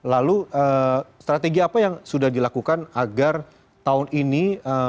lalu strategi apa yang sudah dilakukan agar tahun ini